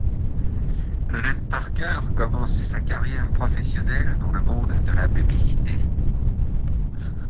Alan Parker commence sa carrière professionnelle dans le monde de la publicité.